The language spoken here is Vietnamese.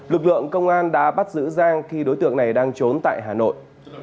lực lượng công an đã bắt giữ giang khi đối tượng này đang trốn tại hà nội